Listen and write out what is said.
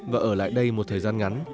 và ở lại đây một thời gian ngắn